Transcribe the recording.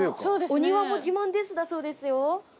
「お庭も自慢です」だそうですよ。